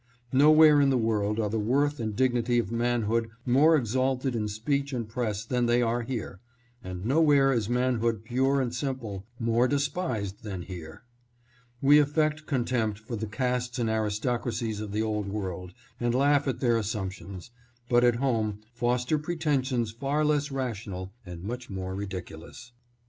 Nowhere in the world are the worth and dignity of man hood more exalted in speech and press than they are here, and nowhere is manhood pure and simple more despised than here. We affect contempt for the castes and aristocracies of the old world and laugh at their assumptions, but at home foster pretensions far less rational and much more ridiculous.